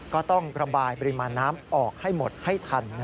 ก็ต้องระบายปริมาณน้ำออกให้หมดให้ทัน